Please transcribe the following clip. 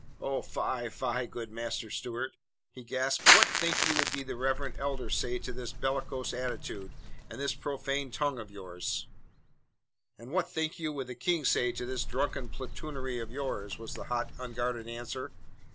"Oh, fie, fie, good Master Stewart!" he gasped. "What think you would the reverend elders say to this bellicose attitude and this profane tongue of yours?" "And what think you would the King say to this drunken poltroonery of yours?" was the hot unguarded answer.